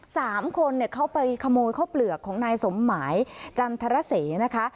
สามคนเนี่ยเขาไปขโมยข้าวเปลือกของนายสมหมายจันทรเสนะคะ